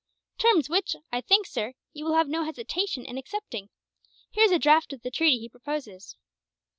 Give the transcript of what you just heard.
"Terms which I think, sir, you will have no hesitation in accepting. Here is a draft of the treaty that he proposes."